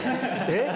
えっ？